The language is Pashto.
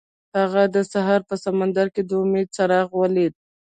هغه د سهار په سمندر کې د امید څراغ ولید.